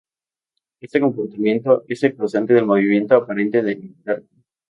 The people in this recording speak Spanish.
Este comportamiento es el causante del movimiento aparente del arco.